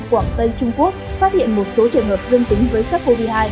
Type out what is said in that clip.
quảng tây trung quốc phát hiện một số trường hợp dương tính với sars cov hai